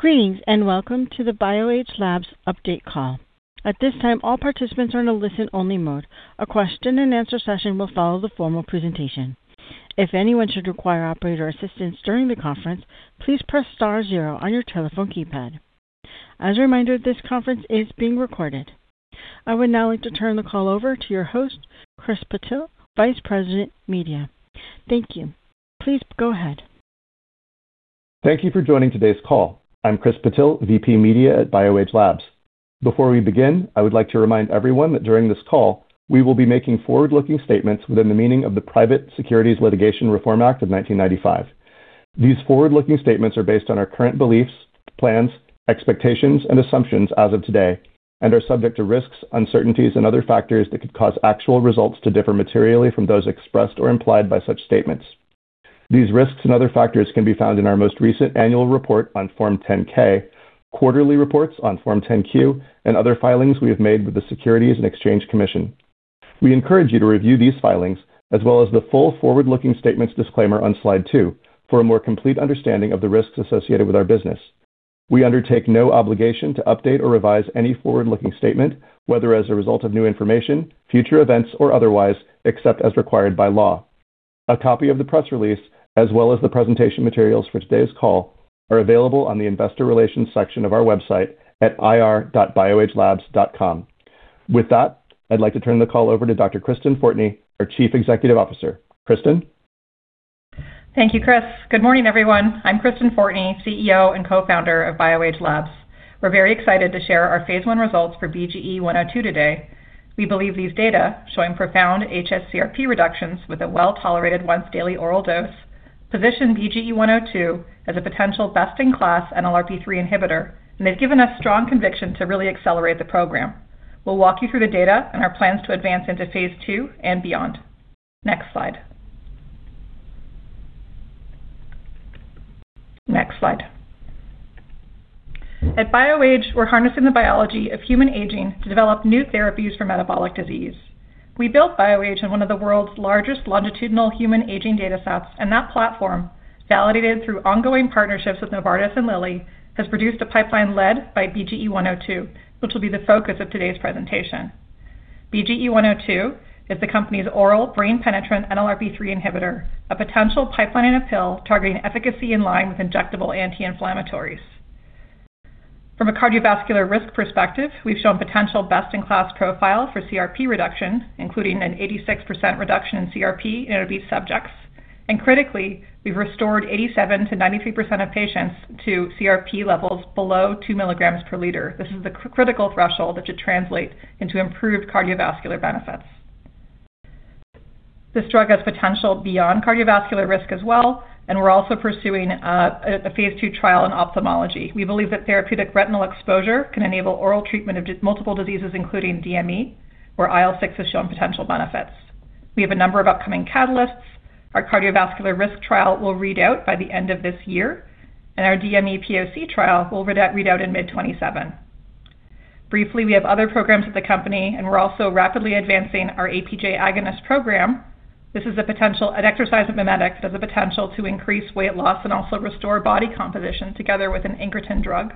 Greetings, and welcome to the BioAge Labs update call. At this time, all participants are in a listen-only mode. A question and answer session will follow the formal presentation. If anyone should require operator assistance during the conference, please press star zero on your telephone keypad. As a reminder, this conference is being recorded. I would now like to turn the call over to your host, Chris Patil, Vice President, Media. Thank you. Please go ahead. Thank you for joining today's call. I'm Chris Patil, VP Media at BioAge Labs. Before we begin, I would like to remind everyone that during this call, we will be making forward-looking statements within the meaning of the Private Securities Litigation Reform Act of 1995. These forward-looking statements are based on our current beliefs, plans, expectations, and assumptions as of today and are subject to risks, uncertainties, and other factors that could cause actual results to differ materially from those expressed or implied by such statements. These risks and other factors can be found in our most recent annual report on Form 10-K, quarterly reports on Form 10-Q, and other filings we have made with the Securities and Exchange Commission. We encourage you to review these filings as well as the full forward-looking statements disclaimer on slide two for a more complete understanding of the risks associated with our business. We undertake no obligation to update or revise any forward-looking statement, whether as a result of new information, future events, or otherwise, except as required by law. A copy of the press release, as well as the presentation materials for today's call, are available on the investor relations section of our website at ir.bioagelabs.com. With that, I'd like to turn the call over to Dr. Kristen Fortney, our Chief Executive Officer. Kristen? Thank you, Chris. Good morning, everyone. I'm Kristen Fortney, CEO and Co-Founder of BioAge Labs. We're very excited to share our phase I results for BGE-102 today. We believe these data, showing profound hs-CRP reductions with a well-tolerated once-daily oral dose, position BGE-102 as a potential best-in-class NLRP3 inhibitor, and they've given us strong conviction to really accelerate the program. We'll walk you through the data and our plans to advance into phase II and beyond. Next slide. Next slide. At BioAge, we're harnessing the biology of human aging to develop new therapies for metabolic disease. We built BioAge on one of the world's largest longitudinal human aging datasets, and that platform, validated through ongoing partnerships with Novartis and Lilly, has produced a pipeline led by BGE-102, which will be the focus of today's presentation. BGE-102 is the company's oral brain-penetrant NLRP3 inhibitor, a potential pipeline-in-a-pill targeting efficacy in line with injectable anti-inflammatories. From a cardiovascular risk perspective, we've shown potential best-in-class profile for CRP reduction, including an 86% reduction in CRP in obese subjects. Critically, we've restored 87%-93% of patients to CRP levels below 2 mg/L. This is the critical threshold that should translate into improved cardiovascular benefits. This drug has potential beyond cardiovascular risk as well, and we're also pursuing a phase II trial in ophthalmology. We believe that therapeutic retinal exposure can enable oral treatment of multiple diseases, including DME, where IL-6 has shown potential benefits. We have a number of upcoming catalysts. Our cardiovascular risk trial will read out by the end of this year, and our DME POC trial will read out in mid-2027. Briefly, we have other programs at the company, and we're also rapidly advancing our APJ agonist program. This is a potential exercise mimetic, has the potential to increase weight loss and also restore body composition together with an incretin drug,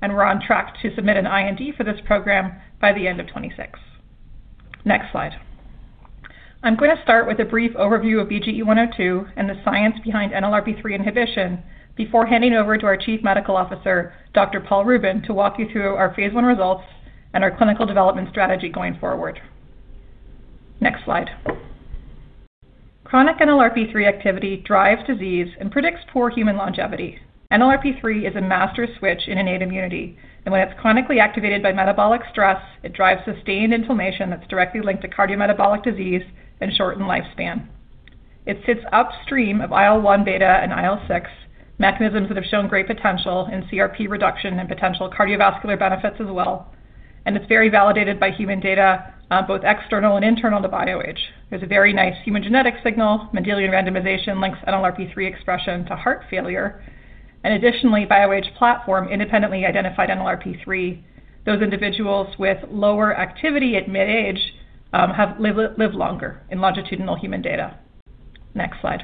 and we're on track to submit an IND for this program by the end of 2026. Next slide. I'm going to start with a brief overview of BGE-102 and the science behind NLRP3 inhibition before handing over to our Chief Medical Officer, Dr. Paul Rubin, to walk you through our phase I results and our clinical development strategy going forward. Next slide. Chronic NLRP3 activity drives disease and predicts poor human longevity. NLRP3 is a master switch in innate immunity, and when it's chronically activated by metabolic stress, it drives sustained inflammation that's directly linked to cardiometabolic disease and shortened lifespan. It sits upstream of IL-1β and IL-6, mechanisms that have shown great potential in CRP reduction and potential cardiovascular benefits as well. It's very validated by human data, both external and internal to BioAge. There's a very nice human genetic signal. Mendelian randomization links NLRP3 expression to heart failure. Additionally, BioAge platform independently identified NLRP3. Those individuals with lower activity at mid-age live longer in longitudinal human data. Next slide.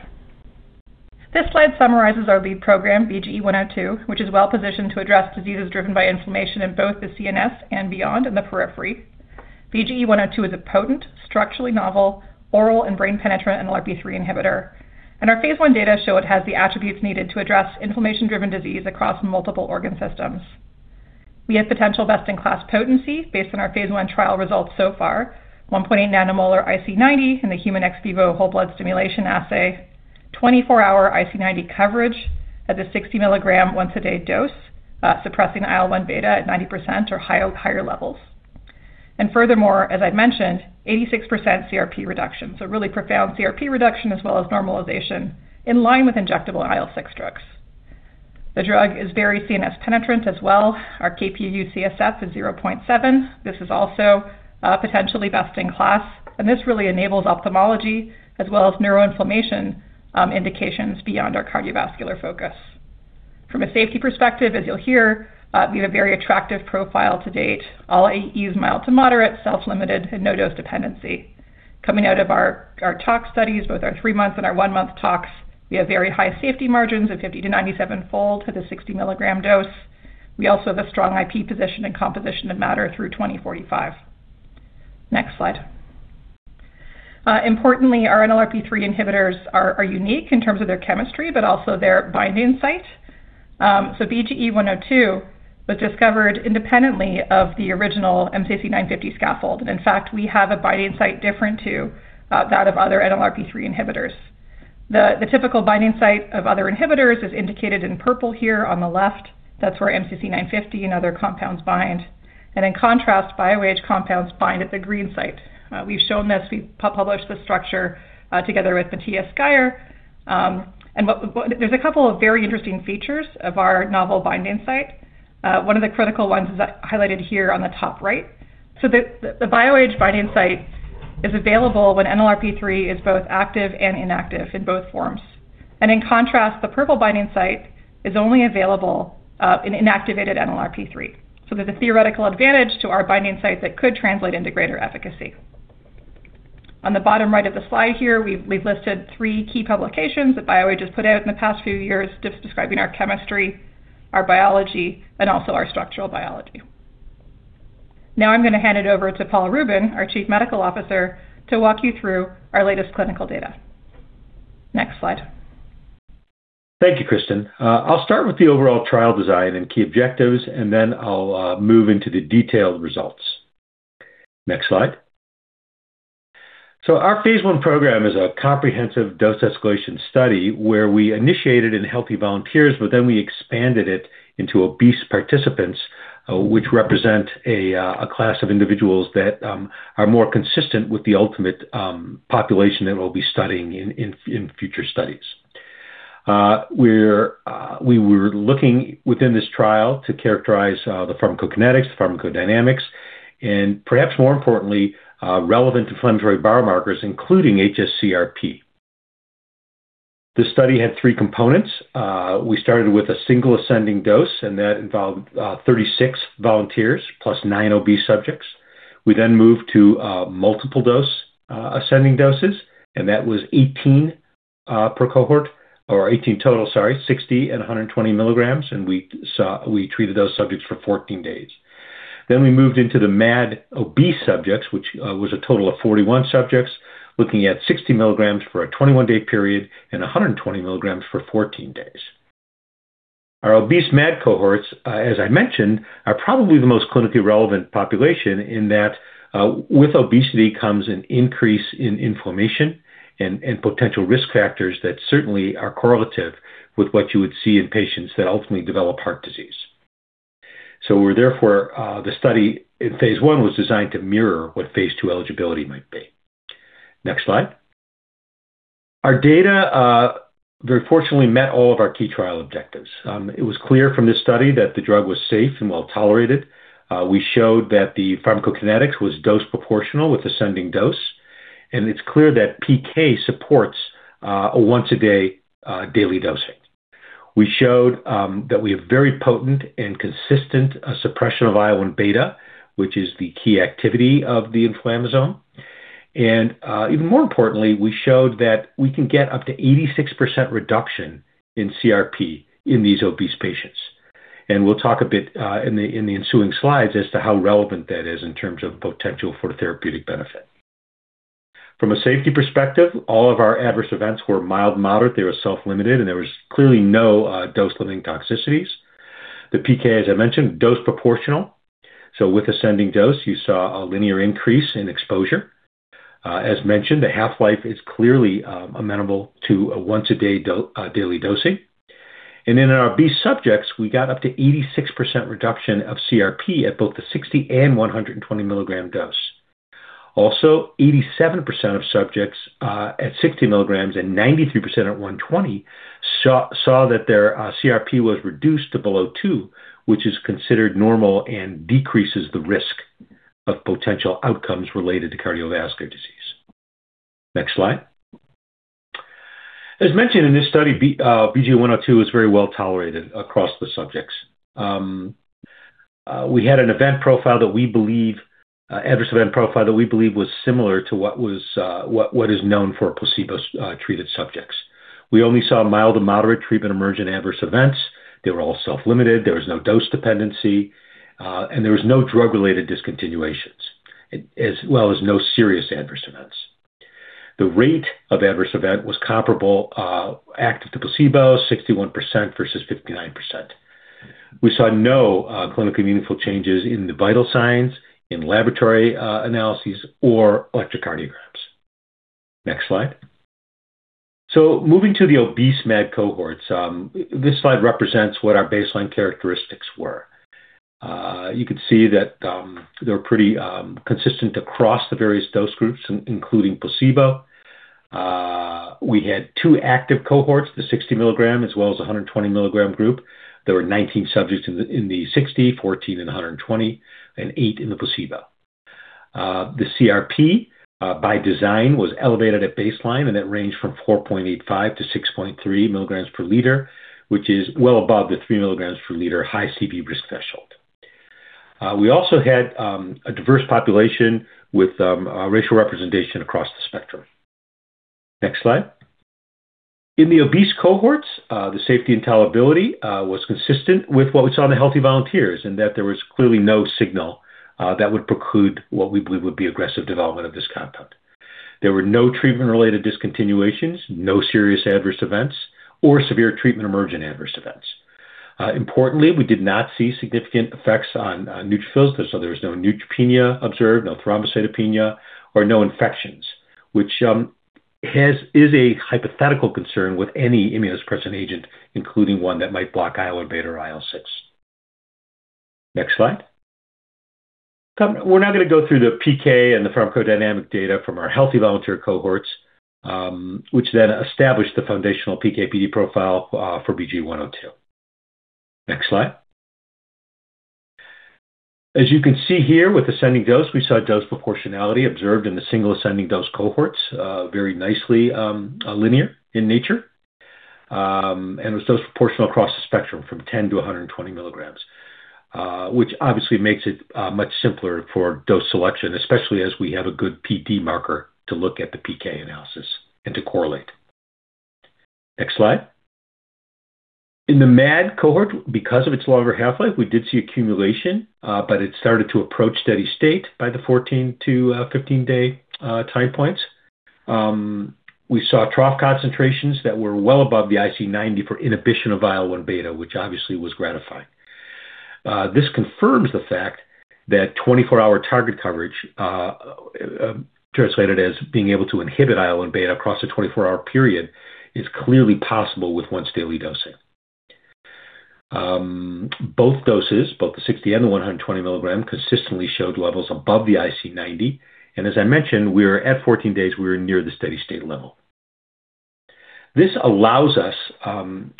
This slide summarizes our lead program, BGE-102, which is well positioned to address diseases driven by inflammation in both the CNS and beyond in the periphery. BGE-102 is a potent, structurally novel oral and brain-penetrant NLRP3 inhibitor, and our phase I data show it has the attributes needed to address inflammation-driven disease across multiple organ systems. We have potential best-in-class potency based on our phase I trial results so far, 1.8 nanomolar IC90 in the human ex vivo whole blood stimulation assay, 24-hour IC90 coverage at the 60 mg once-a-day dose, suppressing IL-1β at 90% or higher levels. Furthermore, as I mentioned, 86% CRP reduction. Really profound CRP reduction as well as normalization in line with injectable IL-6 drugs. The drug is very CNS penetrant as well. Our Kp,uu, CSF is 0.7. This is also potentially best in class, and this really enables ophthalmology as well as neuroinflammation indications beyond our cardiovascular focus. From a safety perspective, as you'll hear, we have a very attractive profile to date. All AEs mild to moderate, self-limited, and no dose dependency. Coming out of our tox studies, both our three-month and our one-month tox, we have very high safety margins of 50-97-fold to the 60 mg dose. We also have a strong IP position and composition of matter through 2045. Next slide. Importantly, our NLRP3 inhibitors are unique in terms of their chemistry, but also their binding site. BGE-102 was discovered independently of the original MCC950 scaffold. In fact, we have a binding site different to that of other NLRP3 inhibitors. The typical binding site of other inhibitors is indicated in purple here on the left. That's where MCC950 and other compounds bind. In contrast, BioAge compounds bind at the green site. We've shown this, we published this structure, together with Matthias Geyer. There's a couple of very interesting features of our novel binding site. One of the critical ones is highlighted here on the top right. The BioAge binding site is available when NLRP3 is both active and inactive in both forms. In contrast, the purple binding site is only available in inactivated NLRP3. There's a theoretical advantage to our binding site that could translate into greater efficacy. On the bottom right of the slide here, we've listed three key publications that BioAge has put out in the past few years describing our chemistry, our biology, and also our structural biology. Now I'm going to hand it over to Paul Rubin, our Chief Medical Officer, to walk you through our latest clinical data. Next slide. Thank you, Kristen. I'll start with the overall trial design and key objectives, and then I'll move into the detailed results. Next slide. Our phase I program is a comprehensive dose escalation study where we initiated in healthy volunteers, but then we expanded it into obese participants, which represent a class of individuals that are more consistent with the ultimate population that we'll be studying in future studies. We were looking within this trial to characterize the pharmacokinetics, the pharmacodynamics, and perhaps more importantly, relevant inflammatory biomarkers, including hs-CRP. The study had three components. We started with a single ascending dose, and that involved 36 volunteers plus nine obese subjects. We then moved to multiple ascending doses, and that was 18 per cohort, or 18 total, sorry, 60 and 120 mg, and we treated those subjects for 14 days. We moved into the MAD obese subjects, which was a total of 41 subjects, looking at 60 mg for a 21-day period and 120 mg for 14 days. Our obese MAD cohorts, as I mentioned, are probably the most clinically relevant population in that with obesity comes an increase in inflammation and potential risk factors that certainly are correlative with what you would see in patients that ultimately develop heart disease. Therefore, the study in phase I was designed to mirror what phase II eligibility might be. Next slide. Our data very fortunately met all of our key trial objectives. It was clear from this study that the drug was safe and well-tolerated. We showed that the pharmacokinetics was dose proportional with ascending dose, and it's clear that PK supports a once-a-day daily dosing. We showed that we have very potent and consistent suppression of IL-1β, which is the key activity of the inflammasome. Even more importantly, we showed that we can get up to 86% reduction in CRP in these obese patients. We'll talk a bit in the ensuing slides as to how relevant that is in terms of potential for therapeutic benefit. From a safety perspective, all of our adverse events were mild, moderate. They were self-limited, and there was clearly no dose-limiting toxicities. The PK, as I mentioned, dose proportional. With ascending dose, you saw a linear increase in exposure. As mentioned, the half-life is clearly amenable to a once-a-day daily dosing. Then in our B subjects, we got up to 86% reduction of CRP at both the 60 and 120 mg dose. 87% of subjects at 60 mg and 93% at 120 saw that their CRP was reduced to below 2 mg/L, which is considered normal and decreases the risk of potential outcomes related to cardiovascular disease. Next slide. As mentioned in this study, BGE-102 was very well tolerated across the subjects. We had an adverse event profile that we believe was similar to what is known for placebo-treated subjects. We only saw mild to moderate treatment emergent adverse events. They were all self-limited. There was no dose dependency. There was no drug-related discontinuations, as well as no serious adverse events. The rate of adverse event was comparable active to placebo, 61% versus 59%. We saw no clinically meaningful changes in the vital signs, in laboratory analyses, or electrocardiograms. Next slide. Moving to the obese MAD cohorts. This slide represents what our baseline characteristics were. You can see that they're pretty consistent across the various dose groups, including placebo. We had two active cohorts, the 60 mg as well as 120 mg group. There were 19 subjects in the 60, 14 in the 120, and eight in the placebo. The CRP, by design, was elevated at baseline, and that ranged from 4.85-6.3 mg/L, which is well above the 3 mg/L high CV risk threshold. We also had a diverse population with racial representation across the spectrum. Next slide. In the obese cohorts, the safety and tolerability was consistent with what we saw in the healthy volunteers, in that there was clearly no signal that would preclude what we believe would be aggressive development of this compound. There were no treatment-related discontinuations, no serious adverse events, or severe treatment emergent adverse events. Importantly, we did not see significant effects on neutrophils. There was no neutropenia observed, no thrombocytopenia, or no infections, which is a hypothetical concern with any immunosuppressant agent, including one that might block IL-1β or IL-6. Next slide. We're now going to go through the PK and the pharmacodynamic data from our healthy volunteer cohorts, which then established the foundational PK/PD profile for BGE-102. Next slide. As you can see here, with ascending dose, we saw dose proportionality observed in the single ascending dose cohorts, very nicely linear in nature. Was dose proportional across the spectrum from 10-120 mg, which obviously makes it much simpler for dose selection, especially as we have a good PD marker to look at the PK analysis and to correlate. Next slide. In the MAD cohort, because of its longer half-life, we did see accumulation, but it started to approach steady state by the 14-15-day time points. We saw trough concentrations that were well above the IC90 for inhibition of IL-1β, which obviously was gratifying. This confirms the fact that 24-hour target coverage, translated as being able to inhibit IL-1β across a 24-hour period, is clearly possible with once daily dosing. Both doses, both the 60 mg and the 120 mg, consistently showed levels above the IC90, and as I mentioned we are at 14 days, we were near the steady state level. This allows us,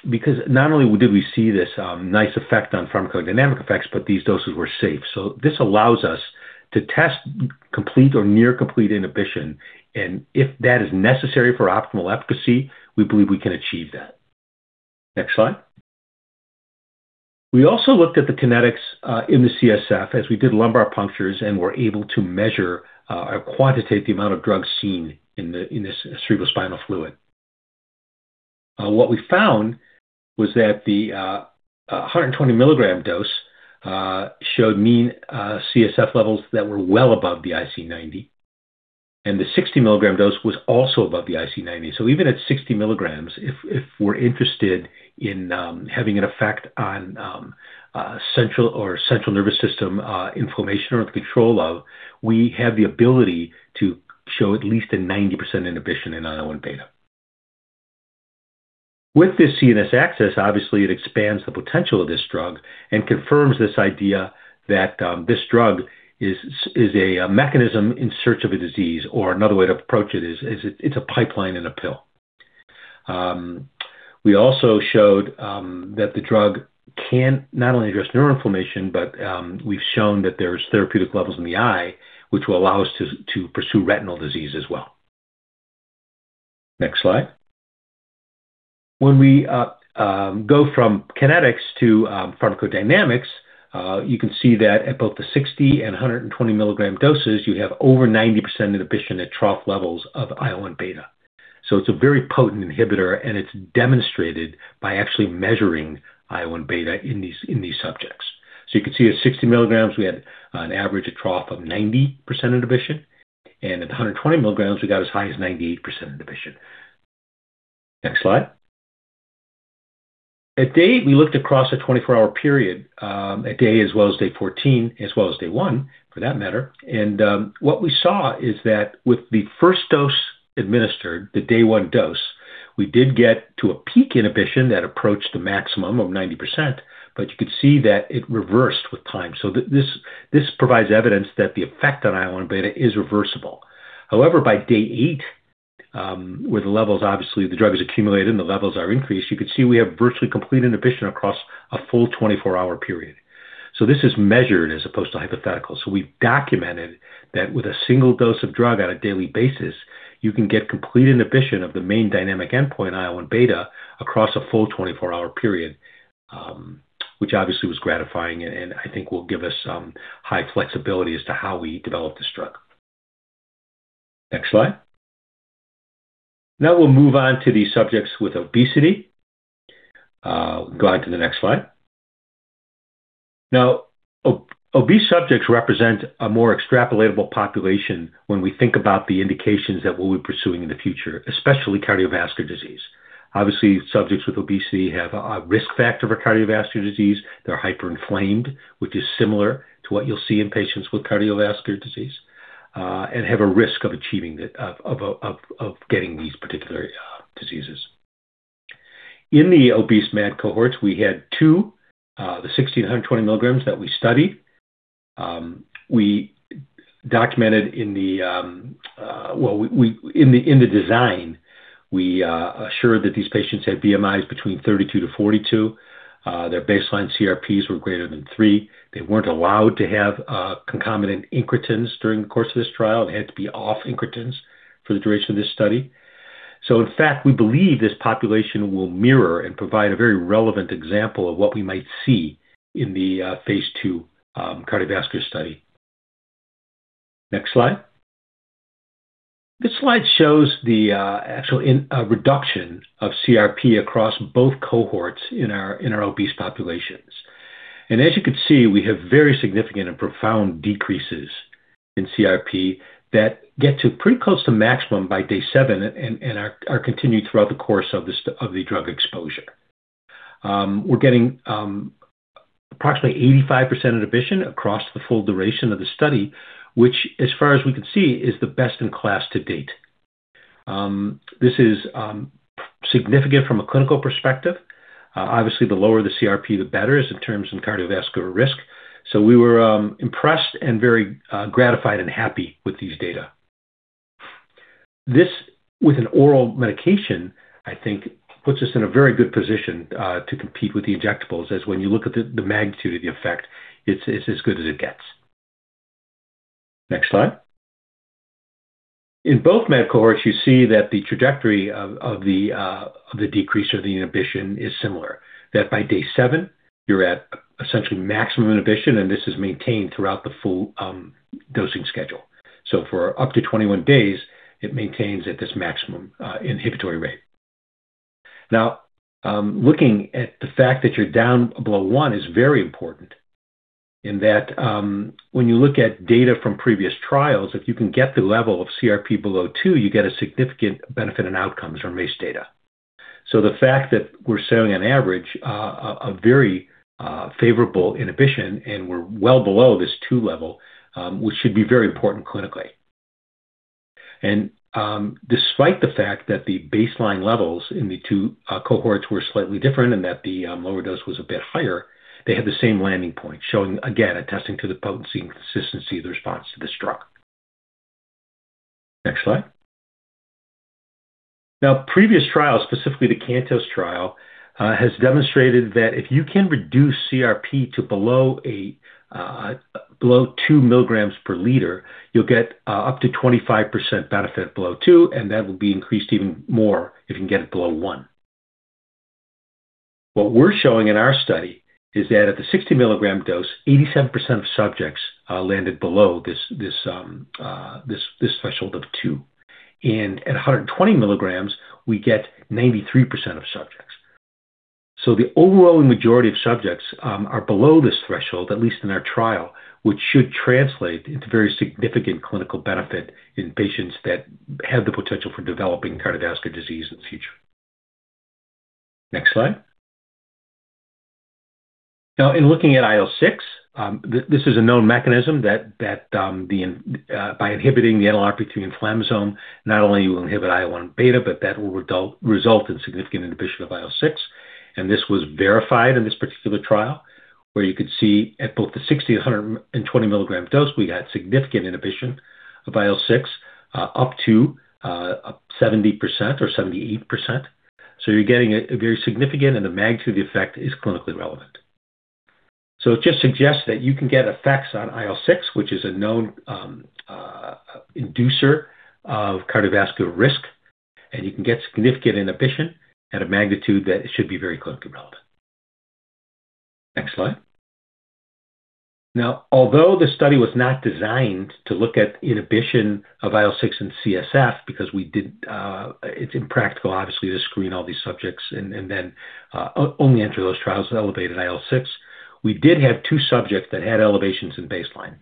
because not only did we see this nice effect on pharmacodynamic effects, but these doses were safe. This allows us to test complete or near complete inhibition, and if that is necessary for optimal efficacy, we believe we can achieve that. Next slide. We also looked at the kinetics in the CSF as we did lumbar punctures and were able to measure or quantitate the amount of drug seen in the cerebrospinal fluid. What we found was that the 120 mg dose showed mean CSF levels that were well above the IC90, and the 60 mg dose was also above the IC90. Even at 60 mg, if we're interested in having an effect on central nervous system inflammation or control of, we have the ability to show at least a 90% inhibition in IL-1β. With this CNS access, obviously it expands the potential of this drug and confirms this idea that this drug is a mechanism in search of a disease, or another way to approach it is, it's a pipeline in a pill. We also showed that the drug can not only address neuroinflammation, but we've shown that there's therapeutic levels in the eye which will allow us to pursue retinal disease as well. Next slide. When we go from kinetics to pharmacodynamics, you can see that at both the 60 and 120 mg doses, you have over 90% inhibition at trough levels of IL-1β. It's a very potent inhibitor, and it's demonstrated by actually measuring IL-1β in these subjects. You can see at 60 mg, we had an average, a trough of 90% inhibition, and at 120 mg, we got as high as 98% inhibition. Next slide. At day eight, we looked across a 24-hour period, at day eight as well as day 14, as well as day one for that matter. What we saw is that with the first dose administered, the day one dose, we did get to a peak inhibition that approached a maximum of 90%, but you could see that it reversed with time. This provides evidence that the effect on IL-1β is reversible. However, by day eight, where the levels, obviously the drug is accumulated and the levels are increased, you can see we have virtually complete inhibition across a full 24-hour period. This is measured as opposed to hypothetical. We've documented that with a single dose of drug on a daily basis, you can get complete inhibition of the main dynamic endpoint, IL-1β, across a full 24-hour period, which obviously was gratifying and I think will give us high flexibility as to how we develop this drug. Next slide. Now we'll move on to the subjects with obesity. Go on to the next slide. Now, obese subjects represent a more extrapolatable population when we think about the indications that we'll be pursuing in the future, especially cardiovascular disease. Obviously, subjects with obesity have a risk factor for cardiovascular disease. They're hyperinflamed, which is similar to what you'll see in patients with cardiovascular disease, and have a risk of getting these particular diseases. In the obese MAD cohorts, we had two, the 60 and 120 mg that we studied. We documented in the design, we assured that these patients had BMIs between 32-42. Their baseline CRPs were greater than three. They weren't allowed to have concomitant incretins during the course of this trial. They had to be off incretins for the duration of this study. In fact, we believe this population will mirror and provide a very relevant example of what we might see in the phase II cardiovascular study. Next slide. This slide shows the actual reduction of CRP across both cohorts in our obese populations. As you can see, we have very significant and profound decreases in CRP that get to pretty close to maximum by day seven and are continued throughout the course of the drug exposure. We're getting approximately 85% inhibition across the full duration of the study, which as far as we can see, is the best in class to date. This is significant from a clinical perspective. Obviously, the lower the CRP, the better in terms of cardiovascular risk. We were impressed and very gratified and happy with these data. This, with an oral medication, I think, puts us in a very good position to compete with the injectables, as when you look at the magnitude of the effect, it's as good as it gets. Next slide. In both MAD cohorts, you see that the trajectory of the decrease or the inhibition is similar, that by day seven you're at essentially maximum inhibition, and this is maintained throughout the full dosing schedule. For up to 21 days, it maintains at this maximum inhibitory rate. Now, looking at the fact that you're down below 1 mg/L is very important in that when you look at data from previous trials, if you can get the level of CRP below 2 mg/L, you get a significant benefit in outcomes from MACE data. The fact that we're showing on average a very favorable inhibition and we're well below this two level, which should be very important clinically. Despite the fact that the baseline levels in the two cohorts were slightly different and that the lower dose was a bit higher, they had the same landing point, showing again, attesting to the potency and consistency of the response to this drug. Next slide. Previous trials, specifically the CANTOS trial has demonstrated that if you can reduce CRP to below 2 mg/L, you'll get up to 25% benefit below 2 mg/L, and that will be increased even more if you can get it below 1 mg/L. What we're showing in our study is that at the 60 mg dose, 87% of subjects landed below this threshold of 2 mg/L. At 120 mg, we get 93% of subjects. The overwhelming majority of subjects are below this threshold, at least in our trial, which should translate into very significant clinical benefit in patients that have the potential for developing cardiovascular disease in the future. Next slide. Now in looking at IL-6 this is a known mechanism that by inhibiting the NLRP3 inflammasome, not only will you inhibit IL-1β, but that will result in significant inhibition of IL-6. And this was verified in this particular trial where you could see at both the 60 and 120 mg dose, we got significant inhibition of IL-6 up to 70% or 78%. You're getting a very significant, and the magnitude effect is clinically relevant. It just suggests that you can get effects on IL-6, which is a known inducer of cardiovascular risk, and you can get significant inhibition at a magnitude that it should be very clinically relevant. Next slide. Now, although the study was not designed to look at inhibition of IL-6 in CSF because it's impractical, obviously, to screen all these subjects and then only enter those trials with elevated IL-6. We did have two subjects that had elevations in baseline,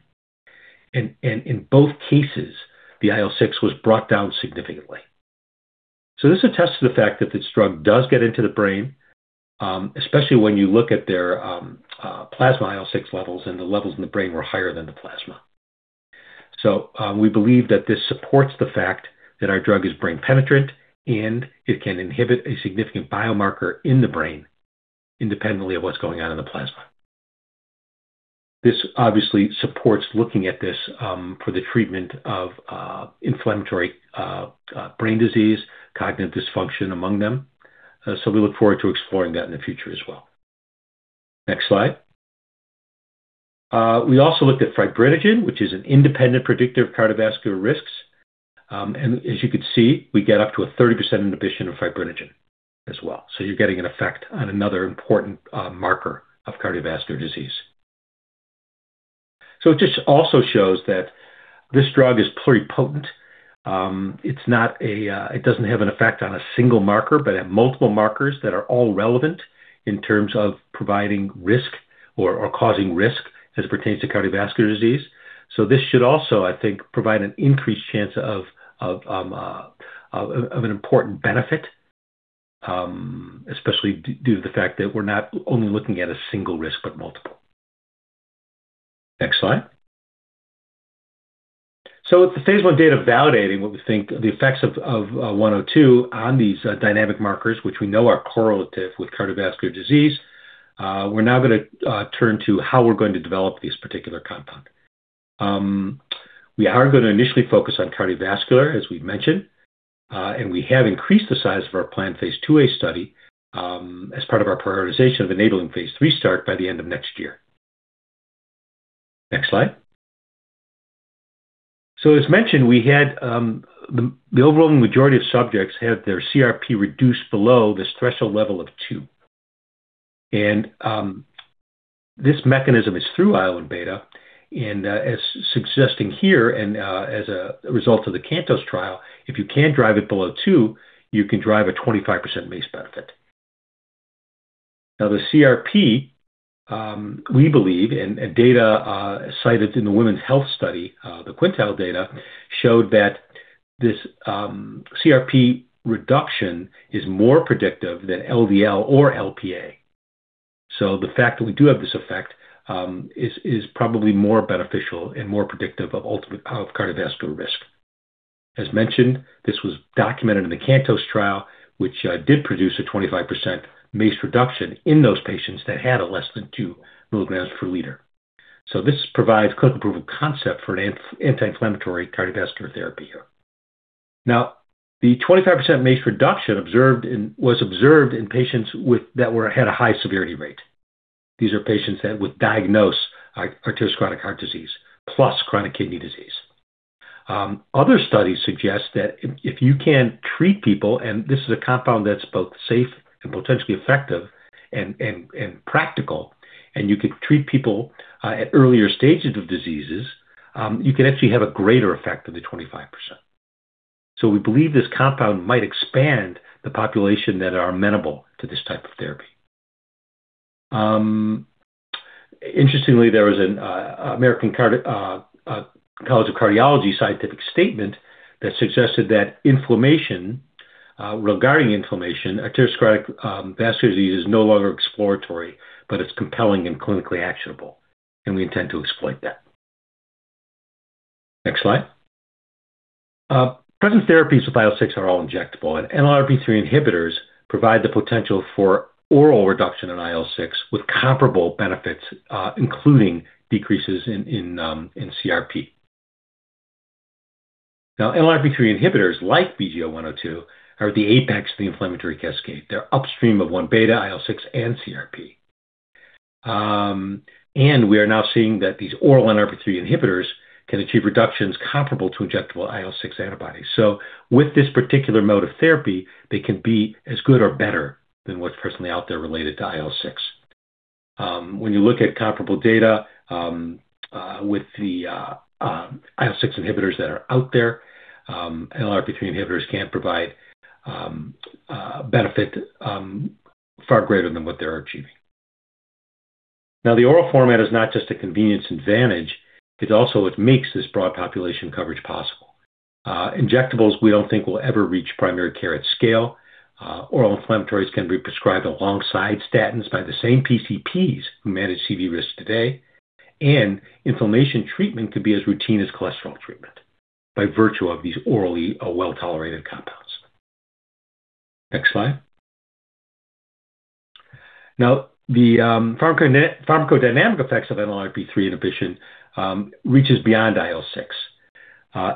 and in both cases, the IL-6 was brought down significantly. This attests to the fact that this drug does get into the brain, especially when you look at their plasma IL-6 levels, and the levels in the brain were higher than the plasma. We believe that this supports the fact that our drug is brain penetrant and it can inhibit a significant biomarker in the brain independently of what's going on in the plasma. This obviously supports looking at this for the treatment of inflammatory brain disease, cognitive dysfunction among them. We look forward to exploring that in the future as well. Next slide. We also looked at fibrinogen, which is an independent predictor of cardiovascular risks. As you can see, we get up to a 30% inhibition of fibrinogen as well. You're getting an effect on another important marker of cardiovascular disease. It just also shows that this drug is pretty potent. It doesn't have an effect on a single marker, but at multiple markers that are all relevant in terms of providing risk or causing risk as it pertains to cardiovascular disease. This should also, I think, provide an increased chance of an important benefit especially due to the fact that we're not only looking at a single risk, but multiple. Next slide. With the phase I data validating what we think the effects of 102 on these dynamic markers, which we know are correlative with cardiovascular disease, we're now going to turn to how we're going to develop this particular compound. We are going to initially focus on cardiovascular, as we've mentioned, and we have increased the size of our planned phase II-A study as part of our prioritization of enabling phase III start by the end of next year. Next slide. As mentioned, the overwhelming majority of subjects had their CRP reduced below this threshold level of two. This mechanism is through IL-1β and as suggested here, and as a result of the CANTOS trial, if you can drive it below two, you can drive a 25% MACE benefit. Now the CRP, we believe, and data cited in the Women's Health Study, the quintile data, showed that this CRP reduction is more predictive than LDL or Lp(a). The fact that we do have this effect is probably more beneficial and more predictive of ultimate cardiovascular risk. As mentioned, this was documented in the CANTOS trial, which did produce a 25% MACE reduction in those patients that had a less than 2 mg/L. This provides clinical proof of concept for an anti-inflammatory cardiovascular therapy here. Now, the 25% MACE reduction was observed in patients that had a high severity rate. These are patients with diagnosed atherosclerotic heart disease plus chronic kidney disease. Other studies suggest that if you can treat people, and this is a compound that's both safe and potentially effective and practical, and you could treat people at earlier stages of diseases, you can actually have a greater effect than the 25%. We believe this compound might expand the population that are amenable to this type of therapy. Interestingly, there was an American College of Cardiology scientific statement that suggested that inflammation, regarding inflammation, atherosclerotic vascular disease is no longer exploratory, but it's compelling and clinically actionable, and we intend to exploit that. Next slide. Present therapies with IL-6 are all injectable, and NLRP3 inhibitors provide the potential for oral reduction in IL-6 with comparable benefits, including decreases in CRP. Now NLRP3 inhibitors, like BGE-102, are at the apex of the inflammatory cascade. They're upstream of IL-1β, IL-6, and CRP. We are now seeing that these oral NLRP3 inhibitors can achieve reductions comparable to injectable IL-6 antibodies. With this particular mode of therapy, they can be as good as or better than what's personally out there related to IL-6. When you look at comparable data with the IL-6 inhibitors that are out there, NLRP3 inhibitors can provide benefit far greater than what they're achieving. Now, the oral format is not just a convenience advantage, it also makes this broad population coverage possible. Injectables, we don't think will ever reach primary care at scale. Oral inflammatories can be prescribed alongside statins by the same PCPs who manage CV risk today, and inflammation treatment could be as routine as cholesterol treatment by virtue of these orally well-tolerated compounds. Next slide. The pharmacodynamic effects of NLRP3 inhibition reach beyond IL-6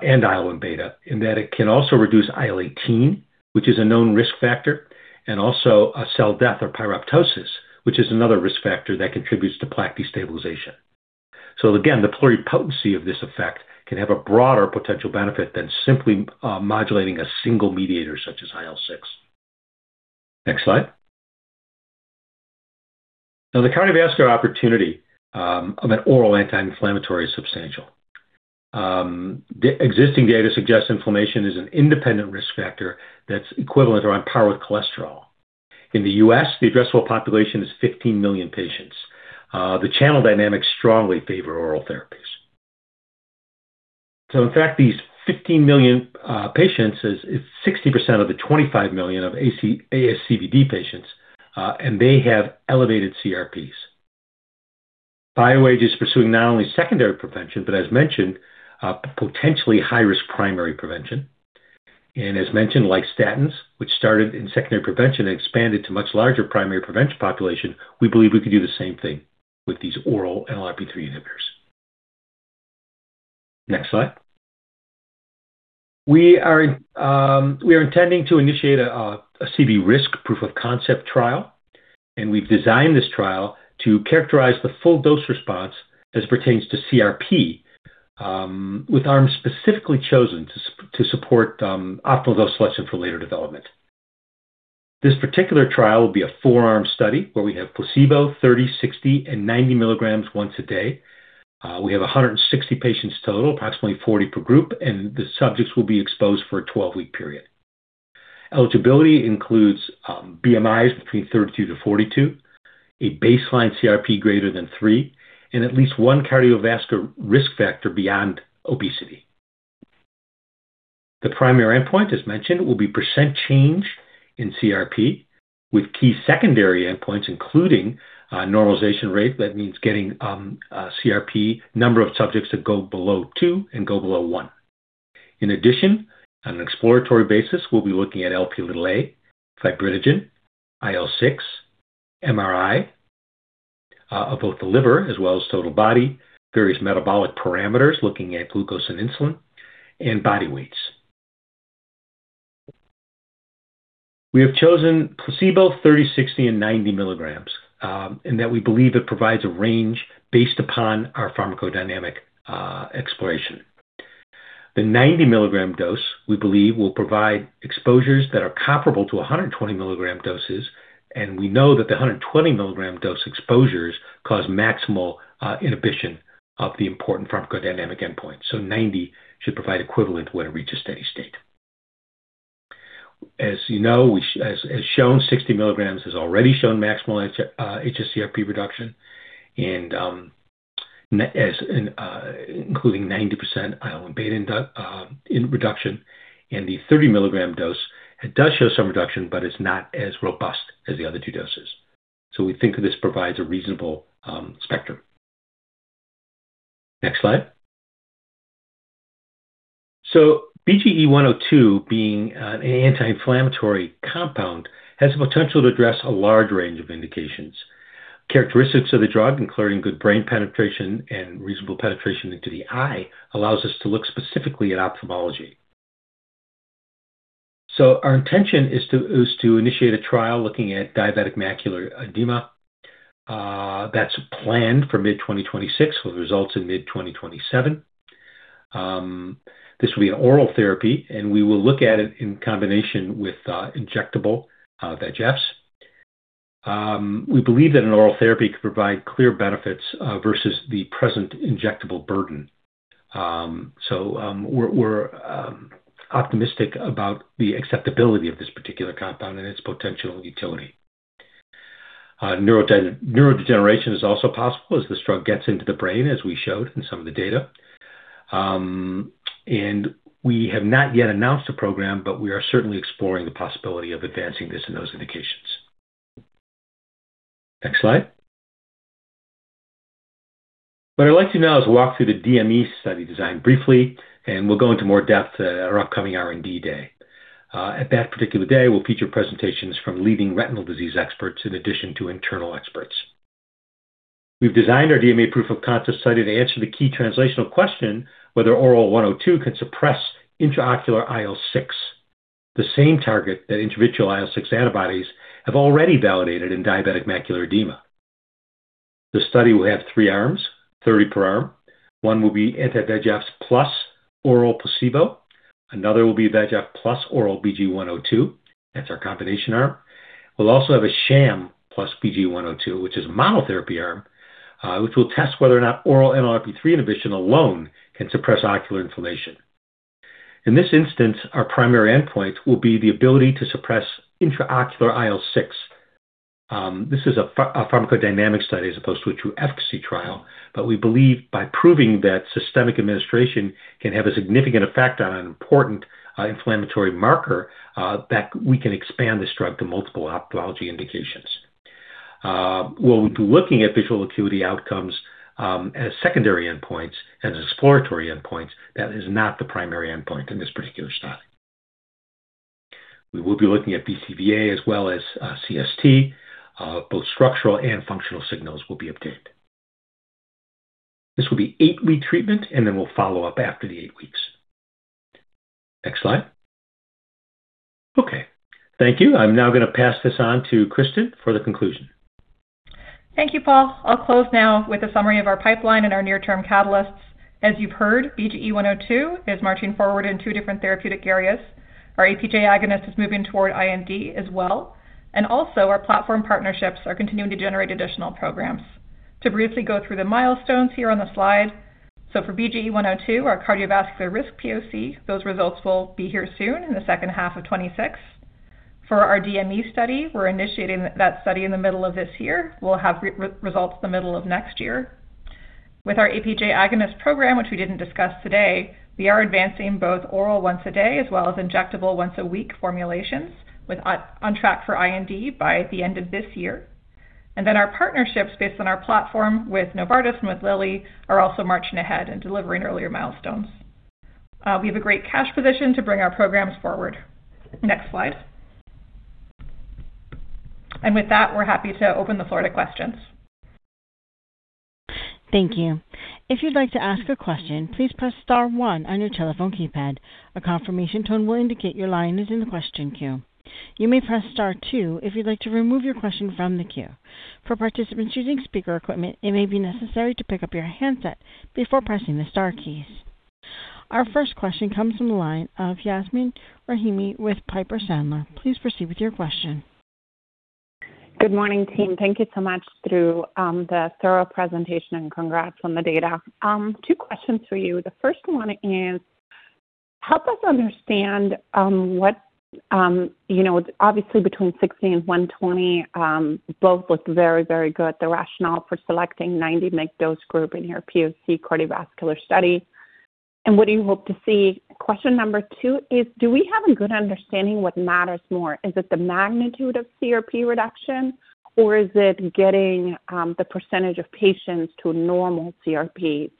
and IL-1β in that it can also reduce IL-18, which is a known risk factor, and also cell death or pyroptosis, which is another risk factor that contributes to plaque destabilization. Again, the pluripotency of this effect can have a broader potential benefit than simply modulating a single mediator such as IL-6. Next slide. The cardiovascular opportunity of an oral anti-inflammatory is substantial. Existing data suggests inflammation is an independent risk factor that's equivalent or on par with cholesterol. In the U.S., the addressable population is 15 million patients. The channel dynamics strongly favor oral therapies. In fact, these 15 million patients is 60% of the 25 million ASCVD patients, and they have elevated CRPs. BioAge is pursuing not only secondary prevention, but as mentioned, potentially high-risk primary prevention. As mentioned, like statins, which started in secondary prevention and expanded to much larger primary prevention population, we believe we could do the same thing with these oral NLRP3 inhibitors. Next slide. We are intending to initiate a CV risk proof of concept trial, and we've designed this trial to characterize the full dose response as it pertains to CRP, with arms specifically chosen to support optimal dose selection for later development. This particular trial will be a 4-arm study where we have placebo 30, 60, and 90 mg once a day. We have 160 patients total, approximately 40 per group, and the subjects will be exposed for a 12-week period. Eligibility includes BMIs between 30-42, a baseline CRP greater than three, and at least one cardiovascular risk factor beyond obesity. The primary endpoint, as mentioned, will be percent change in CRP with key secondary endpoints, including normalization rate. That means the number of subjects whose CRP goes below 2 mg/L and below 1 mg/L. In addition, on an exploratory basis, we'll be looking at Lp(a), fibrinogen, IL-6, MRI of both the liver as well as total body, various metabolic parameters looking at glucose and insulin, and body weights. We have chosen placebo, 30, 60, and 90 mg, in that we believe it provides a range based upon our pharmacodynamic exploration. The 90 mg dose, we believe, will provide exposures that are comparable to 120 mg doses, and we know that the 120 mg dose exposures cause maximal inhibition of the important pharmacodynamic endpoint. 90 mg should provide equivalent when it reaches steady state. As you know, as shown, 60 mg has already shown maximal hs-CRP reduction, including 90% IL-1β inhibition, and the 30 mg dose does show some reduction, but it's not as robust as the other two doses. We think this provides a reasonable spectrum. Next slide. BGE-102, being an anti-inflammatory compound, has the potential to address a large range of indications. Characteristics of the drug, including good brain penetration and reasonable penetration into the eye, allows us to look specifically at ophthalmology. Our intention is to initiate a trial looking at diabetic macular edema. That's planned for mid-2026 with results in mid-2027. This will be an oral therapy, and we will look at it in combination with injectable VEGFs. We believe that an oral therapy could provide clear benefits versus the present injectable burden. We're optimistic about the acceptability of this particular compound and its potential utility. Neurodegeneration is also possible as this drug gets into the brain, as we showed in some of the data. We have not yet announced a program, but we are certainly exploring the possibility of advancing this in those indications. Next slide. What I'd like to do now is walk through the DME study design briefly, and we'll go into more depth at our upcoming R&D day. At that particular day, we'll feature presentations from leading retinal disease experts in addition to internal experts. We've designed our DME proof-of-concept study to answer the key translational question whether oral BGE-102 can suppress intraocular IL-6, the same target that intravitreal IL-6 antibodies have already validated in diabetic macular edema. The study will have three arms, 30 per arm. One will be anti-VEGFs plus oral placebo. Another will be VEGF plus oral BGE-102. That's our combination arm. We'll also have a sham plus BGE-102, which is a monotherapy arm, which will test whether or not oral NLRP3 inhibition alone can suppress ocular inflammation. In this instance, our primary endpoint will be the ability to suppress intraocular IL-6. This is a pharmacodynamic study as opposed to a true efficacy trial, but we believe by proving that systemic administration can have a significant effect on an important inflammatory marker, that we can expand this drug to multiple ophthalmology indications. While we'll be looking at visual acuity outcomes as secondary endpoints and as exploratory endpoints, that is not the primary endpoint in this particular study. We will be looking at BCVA as well as CST. Both structural and functional signals will be obtained. This will be eight-week treatment, and then we'll follow up after the eight weeks. Next slide. Okay. Thank you. I'm now going to pass this on to Kristen for the conclusion. Thank you, Paul. I'll close now with a summary of our pipeline and our near-term catalysts. As you've heard, BGE-102 is marching forward in two different therapeutic areas. Our APJ agonist is moving toward IND as well. Also, our platform partnerships are continuing to generate additional programs. To briefly go through the milestones here on the slide. For BGE-102, our cardiovascular risk POC, those results will be here soon in the second half of 2026. For our DME study, we're initiating that study in the middle of this year. We'll have results the middle of next year. With our APJ agonist program, which we didn't discuss today, we are advancing both oral once-a-day as well as injectable once-a-week formulations on track for IND by the end of this year. Our partnerships based on our platform with Novartis and with Lilly are also marching ahead and delivering earlier milestones. We have a great cash position to bring our programs forward. Next slide. With that, we're happy to open the floor to questions. Thank you. If you'd like to ask a question, please press star one on your telephone keypad. A confirmation tone will indicate your line is in the question queue. You may press star two if you'd like to remove your question from the queue. For participants using speaker equipment, it may be necessary to pick up your handset before pressing the star keys. Our first question comes from the line of Yasmeen Rahimi with Piper Sandler. Please proceed with your question. Good morning, team. Thank you so much for the thorough presentation and congrats on the data. Two questions for you. The first one is, help us understand what obviously between 60 and 120, both look very, very good. The rationale for selecting 90 mg dose group in your POC cardiovascular study. And what do you hope to see? Question number two is, do we have a good understanding what matters more? Is it the magnitude of CRP reduction? Or is it getting the percentage of patients to normal CRP?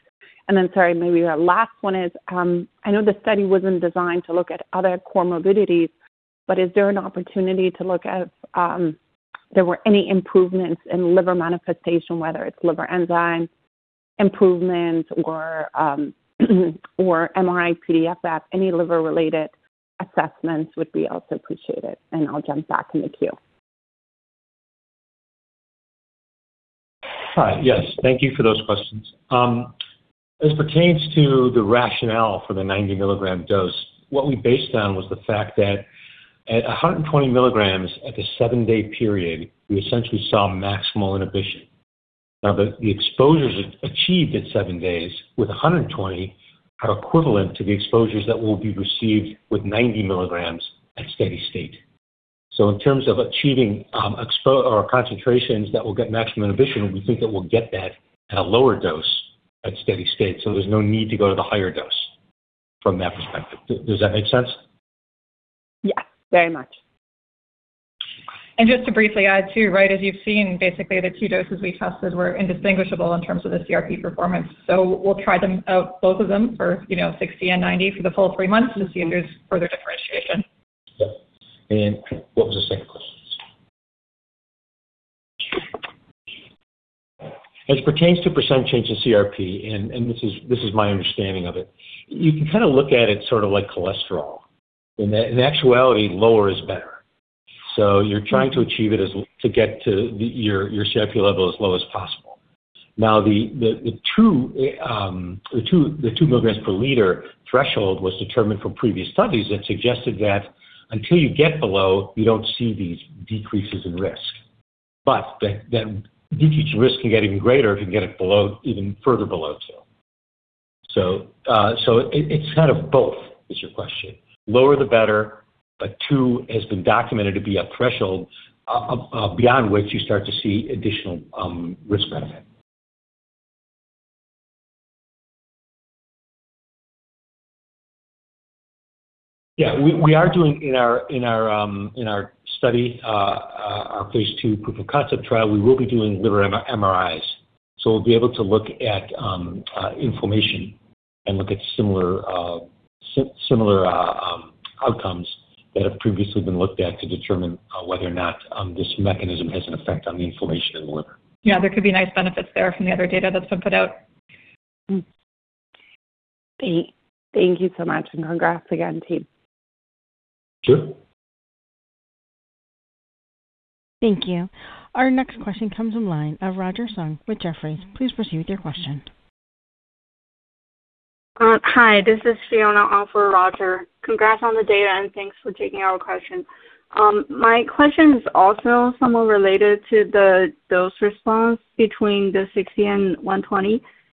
Sorry, maybe the last one is, I know the study wasn't designed to look at other comorbidities, but is there an opportunity to look if there were any improvements in liver manifestation, whether it's liver enzyme improvements or MRI-PDFF. Any liver-related assessments would be also appreciated, and I'll jump back in the queue. Hi. Yes. Thank you for those questions. As pertains to the rationale for the 90 mg dose, what we based on was the fact that at 120 mg at the seven-day period, we essentially saw maximal inhibition. Now, the exposures achieved at seven days with 120 mg are equivalent to the exposures that will be received with 90 mg at steady state. In terms of achieving concentrations that will get maximum inhibition, we think that we'll get that at a lower dose at steady state, so there's no need to go to the higher dose from that perspective. Does that make sense? Yes, very much. Just to briefly add too, right? As you've seen, basically the two doses we tested were indistinguishable in terms of the CRP performance. We'll try them out, both of them for, 60 and 90 for the full three months and see if there's further differentiation. Yeah. What was the second question? As pertains to percent change in CRP, and this is my understanding of it, you can kind of look at it sort of like cholesterol. In actuality, lower is better. You're trying to achieve it to get to your CRP level as low as possible. Now, the 2 mg/L threshold was determined from previous studies that suggested that until you get below, you don't see these decreases in risk. The decreased risk can get even greater if you can get it below, even further below 2 mg/L. It's kind of both is your question. Lower the better, but 2 mg/L has been documented to be a threshold beyond which you start to see additional risk benefit. Yeah, we are doing in our study, our phase II proof of concept trial, we will be doing liver MRIs. We'll be able to look at inflammation and look at similar outcomes that have previously been looked at to determine whether or not this mechanism has an effect on the inflammation in the liver. Yeah, there could be nice benefits there from the other data that's been put out. Great. Thank you so much, and congrats again, team. Sure. Thank you. Our next question comes in line of Roger Song with Jefferies. Please proceed with your question. Hi, this is Fiona on for Roger. Congrats on the data, and thanks for taking our question. My question is also somewhat related to the dose response between the 60 and 120.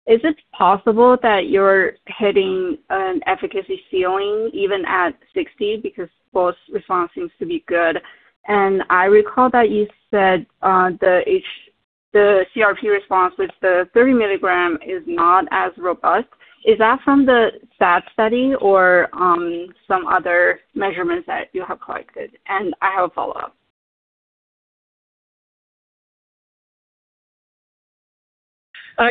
Is it possible that you're hitting an efficacy ceiling even at 60 because both response seems to be good? And I recall that you said the CRP response with the 30 mg is not as robust. Is that from the SAD study or some other measurements that you have collected? And I have a follow-up.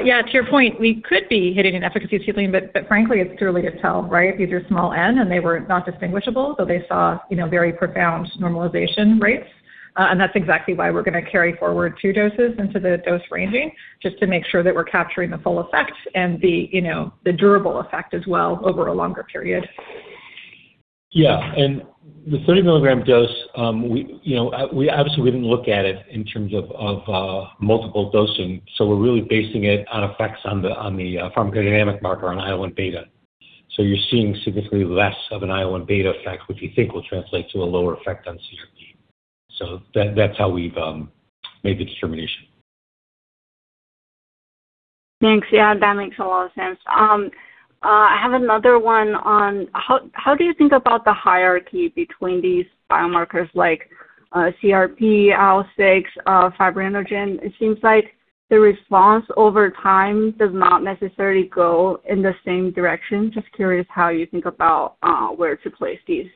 Yeah. To your point, we could be hitting an efficacy ceiling, but frankly, it's too early to tell, right? These are small n, and they were not distinguishable, though they saw very profound normalization rates. That's exactly why we're going to carry forward two doses into the dose ranging, just to make sure that we're capturing the full effect and the durable effect as well over a longer period. Yeah. The 30 mg dose, obviously we didn't look at it in terms of multiple dosing. We're really basing it on effects on the pharmacodynamic marker on IL-1β. You're seeing significantly less of an IL-1β effect, which we think will translate to a lower effect on CRP. That's how we've made the determination. Thanks. Yeah, that makes a lot of sense. I have another one on, how do you think about the hierarchy between these biomarkers like CRP, IL-6, fibrinogen? It seems like the response over time does not necessarily go in the same direction. Just curious how you think about where to place these.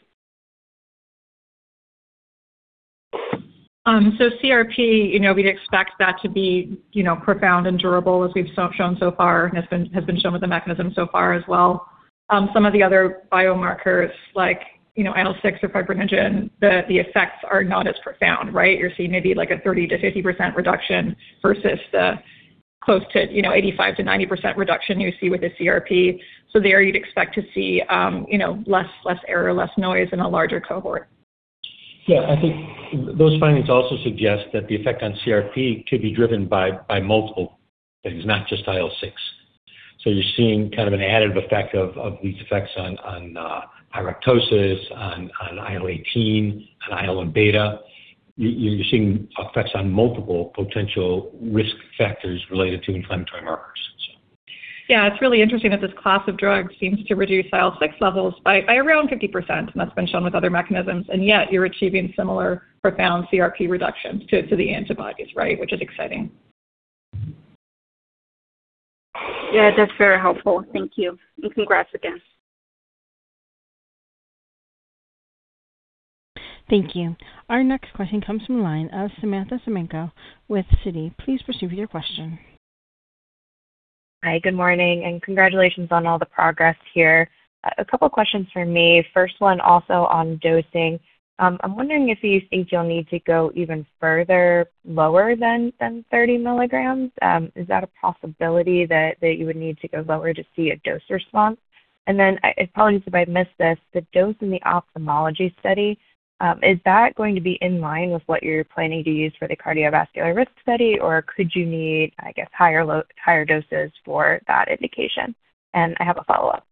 CRP, we'd expect that to be profound and durable as we've shown so far, and has been shown with the mechanism so far as well. Some of the other biomarkers, like IL-6 or fibrinogen, the effects are not as profound, right? You're seeing maybe like a 30%-50% reduction versus the close to 85%-90% reduction you see with the CRP. There you'd expect to see less error, less noise in a larger cohort. Yeah, I think those findings also suggest that the effect on CRP could be driven by multiple things, not just IL-6. You're seeing kind of an additive effect of these effects on pyroptosis, on IL-18, on IL-1β. You're seeing effects on multiple potential risk factors related to inflammatory markers. Yeah, it's really interesting that this class of drugs seems to reduce IL-6 levels by around 50%, and that's been shown with other mechanisms, and yet you're achieving similar profound CRP reductions to the antibodies, right? Which is exciting. Yeah, that's very helpful. Thank you. Congrats again. Thank you. Our next question comes from the line of Samantha Semenkow with Citi. Please proceed with your question. Hi, good morning, and congratulations on all the progress here. A couple questions from me. First one also on dosing. I'm wondering if you think you'll need to go even further lower than 30 mg. Is that a possibility that you would need to go lower to see a dose response? Apologize if I missed this, the dose in the ophthalmology study, is that going to be in line with what you're planning to use for the cardiovascular risk study, or could you need, I guess, higher doses for that indication? I have a follow-up.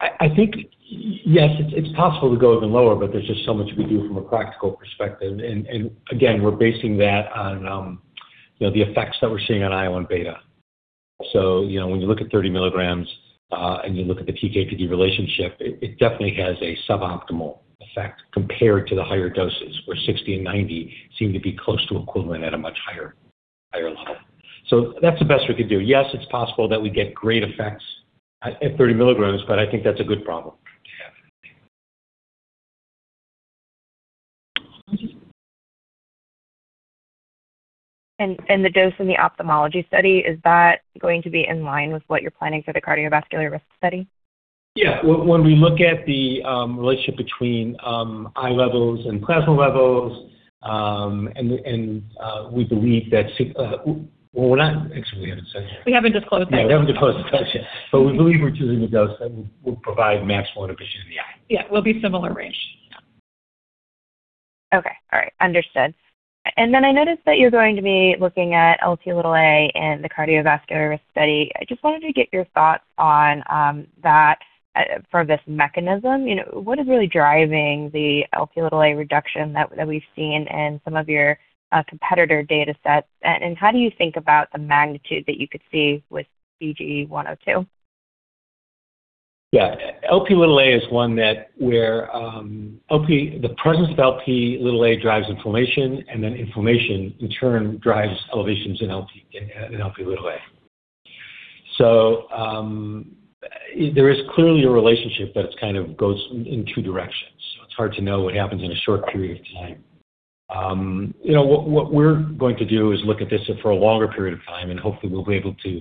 I think, yes, it's possible to go even lower, but there's just so much we can do from a practical perspective. Again, we're basing that on the effects that we're seeing on IL-1β. When you look at 30 mg and you look at the PK/PD relationship, it definitely has a suboptimal effect compared to the higher doses, where 60 and 90 seem to be close to equivalent at a much higher level. That's the best we can do. Yes, it's possible that we get great effects at 30 mg, but I think that's a good problem to have. The dose in the ophthalmology study, is that going to be in line with what you're planning for the cardiovascular risk study? When we look at the relationship between IL levels and plasma levels. Well, we're not actually out of the study yet. We haven't disclosed that yet. Yeah, we haven't disclosed the study yet. We believe we're choosing a dose that will provide maximal inhibition in the eye. Yeah. Will be similar range. Yeah. Okay. All right. Understood. I noticed that you're going to be looking at Lp(a) in the cardiovascular risk study. I just wanted to get your thoughts on that for this mechanism. What is really driving the Lp(a) reduction that we've seen in some of your competitor datasets, and how do you think about the magnitude that you could see with BGE-102? Yeah. Lp(a) is one that where the presence of Lp(a) drives inflammation, and then inflammation in turn drives elevations in Lp(a). There is clearly a relationship, but it kind of goes in two directions, so it's hard to know what happens in a short period of time. What we're going to do is look at this for a longer period of time, and hopefully we'll be able to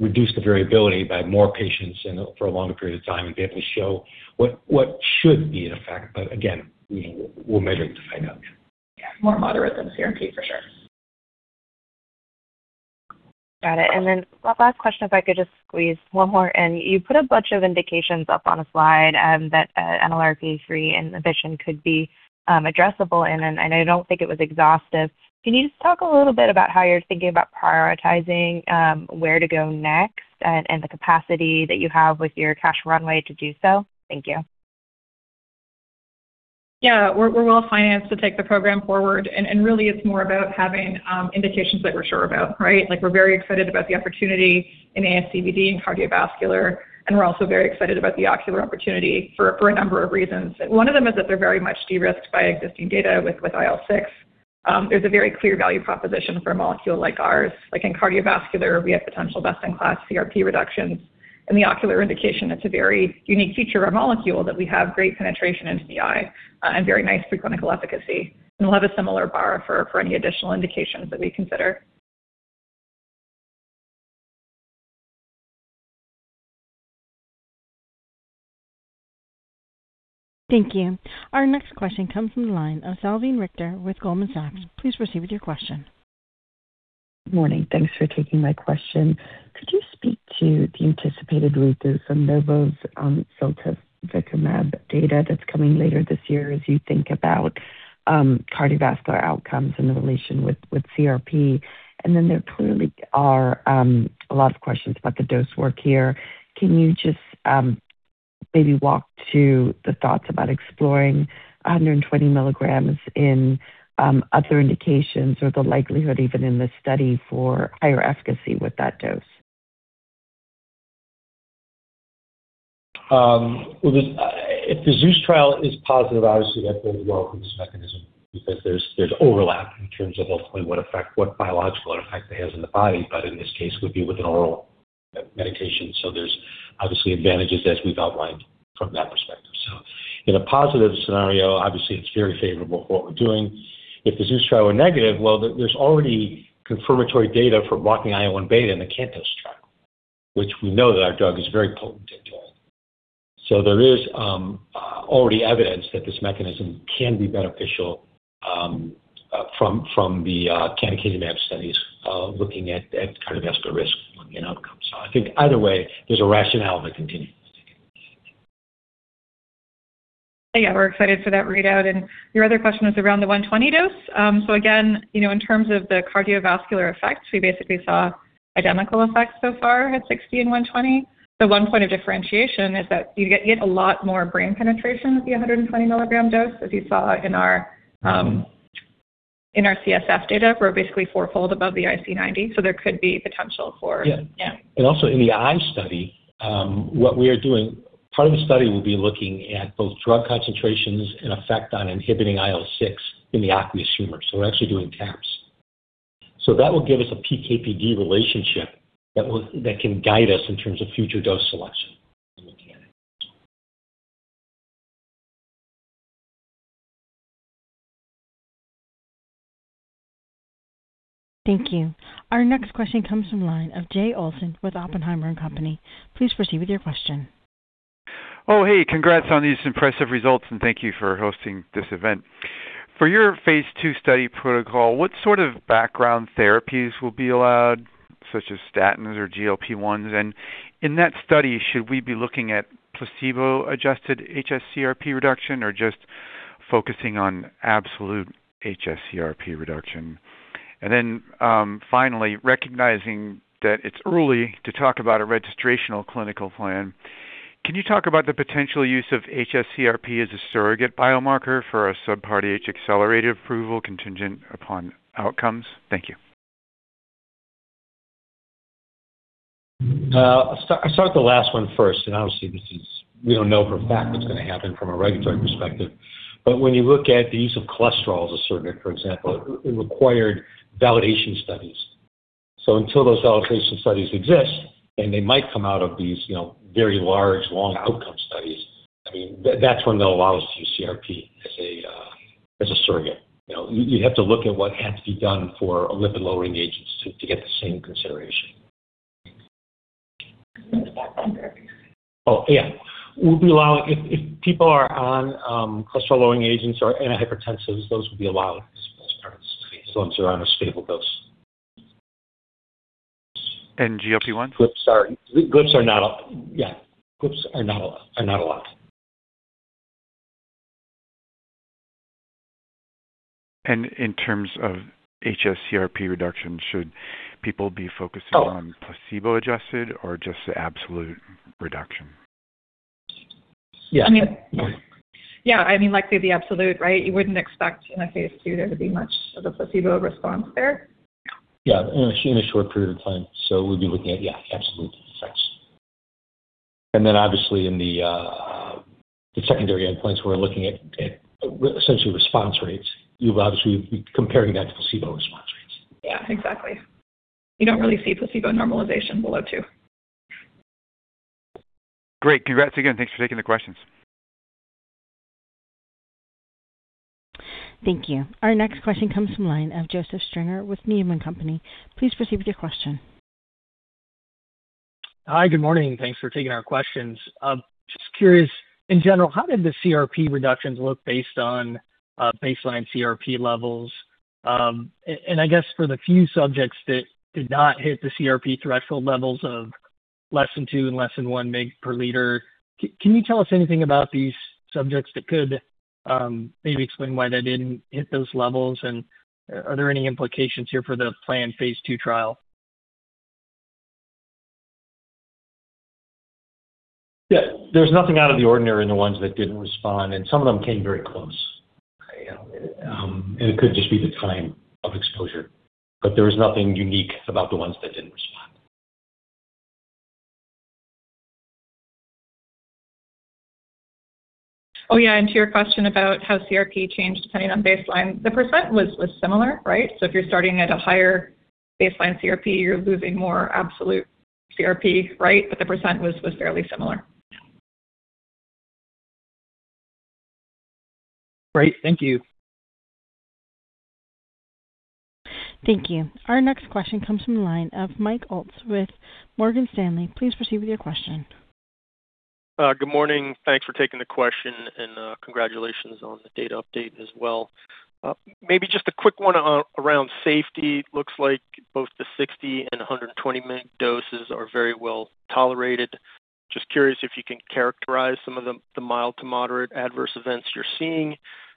reduce the variability by more patients and for a longer period of time and be able to show what should be an effect. Again, we'll measure it to find out. Yeah. More moderate than CRP, for sure. Got it. One last question, if I could just squeeze one more in. You put a bunch of indications up on a slide that NLRP3 inhibition could be addressable in, and I don't think it was exhaustive. Can you just talk a little bit about how you're thinking about prioritizing where to go next and the capacity that you have with your cash runway to do so? Thank you. Yeah. We're well-financed to take the program forward, and really it's more about having indications that we're sure about, right? We're very excited about the opportunity in ASCVD and cardiovascular, and we're also very excited about the ocular opportunity for a number of reasons. One of them is that they're very much de-risked by existing data with IL-6. There's a very clear value proposition for a molecule like ours. Like in cardiovascular, we have potential best-in-class CRP reductions. In the ocular indication, it's a very unique feature of our molecule that we have great penetration into the eye and very nice pre-clinical efficacy. We'll have a similar bar for any additional indications that we consider. Thank you. Our next question comes from the line of Salveen Richter with Goldman Sachs. Please proceed with your question. Morning. Thanks for taking my question. Could you speak to the anticipated read-through from some Novo’s ziltivekimab data that's coming later this year as you think about cardiovascular outcomes in relation with CRP? There clearly are a lot of questions about the dose work here. Can you just maybe walk through the thoughts about exploring 120 mg in other indications or the likelihood even in the study for higher efficacy with that dose? If the ZEUS trial is positive, obviously I'd very welcome this mechanism because there's overlap in terms of ultimately what biological effect it has in the body. In this case, it would be with an oral medication, so there's obviously advantages as we've outlined from that perspective. In a positive scenario, obviously it's very favorable for what we're doing. If the ZEUS trial were negative, well, there's already confirmatory data for blocking IL-1β in the CANTOS trial, which we know that our drug is very potent in doing. There is already evidence that this mechanism can be beneficial from the canakinumab studies looking at cardiovascular risk and outcomes. I think either way, there's a rationale to continue. Yeah. We're excited for that readout. Your other question was around the 120 dose. Again, in terms of the cardiovascular effects, we basically saw identical effects so far at 60 and 120. The one point of differentiation is that you get a lot more brain penetration with the 120 mg dose, as you saw in our CSF data, we're basically four-fold above the IC90. There could be potential for. Yeah. Yeah. Also in the eye study, what we are doing, part of the study will be looking at both drug concentrations and effect on inhibiting IL-6 in the aqueous humor. We're actually doing taps. That will give us a PK/PD relationship that can guide us in terms of future dose selection. Thank you. Our next question comes from the line of Jay Olson with Oppenheimer & Co. Please proceed with your question. Oh, hey. Congrats on these impressive results, and thank you for hosting this event. For your phase II study protocol, what sort of background therapies will be allowed, such as statins or GLP-1s? In that study, should we be looking at placebo-adjusted hs-CRP reduction or just focusing on absolute hs-CRP reduction? Finally, recognizing that it's early to talk about a registrational clinical plan, can you talk about the potential use of hs-CRP as a surrogate biomarker for a Subpart H accelerated approval contingent upon outcomes? Thank you. I'll start with the last one first, and obviously we don't know for a fact what's going to happen from a regulatory perspective, but when you look at the use of cholesterol as a surrogate, for example, it required validation studies. Until those validation studies exist, and they might come out of these very large, long outcome studies, that's when they'll allow us to use CRP as a surrogate. You have to look at what had to be done for lipid-lowering agents to get the same consideration. Oh, yeah. If people are on cholesterol-lowering agents or antihypertensives, those would be allowed as part of the study, as long as they're on a stable dose. GLP-1s? GLPs are not allowed. Yeah. GLPs are not allowed. In terms of hs-CRP reduction, should people be focusing on placebo-adjusted or just the absolute reduction? Yeah. Yeah. I mean, likely the absolute, right? You wouldn't expect in a phase II there to be much of a placebo response there. Yeah. In a short period of time. We'd be looking at, yeah, absolute effects. Obviously in the secondary endpoints, we're looking at essentially response rates. You'll obviously be comparing that to placebo response rates. Yeah. Exactly. You don't really see placebo normalization below two. Great. Congrats again. Thanks for taking the questions. Thank you. Our next question comes from the line of Joseph Stringer with Needham & Company. Please proceed with your question. Hi, good morning. Thanks for taking our questions. Just curious, in general, how did the CRP reductions look based on baseline CRP levels? And I guess for the few subjects that did not hit the CRP threshold levels of less than 2 mg/L Yeah. There's nothing out of the ordinary in the ones that didn't respond, and some of them came very close. It could just be the time of exposure. There was nothing unique about the ones that didn't respond. Oh, yeah. To your question about how CRP changed depending on baseline, the percent was similar. Right? If you're starting at a higher baseline CRP, you're losing more absolute CRP. Right? The percent was fairly similar. Great. Thank you. Thank you. Our next question comes from the line of Mike Ulz with Morgan Stanley. Please proceed with your question. Good morning. Thanks for taking the question, and congratulations on the data update as well. Maybe just a quick one around safety. Looks like both the 60 and 120 mg doses are very well tolerated. Just curious if you can characterize some of the mild to moderate adverse events you're seeing,